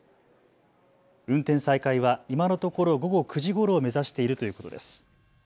運転再開は今のところ午後９時ごろを目指しているということです。